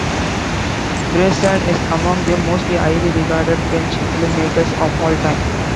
Bresson is among the most highly regarded French filmmakers of all time.